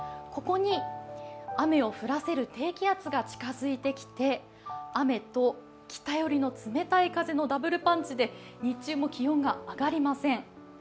ここに雨を降らせる低気圧が近づいてきて、雨と北よりの冷たい風のダブルパンチで、日中も気温が上がりません。